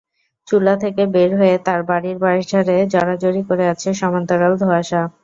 চুলা থেকে বের হয়ে তার বাড়ির বাঁশঝাড়ে জড়াজড়ি করে আছে সমান্তরাল ধোঁয়াশা।